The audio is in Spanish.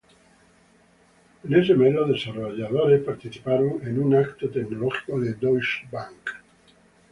En ese mes, los desarrolladores participaron en un evento tecnológico de Deutsche Bank.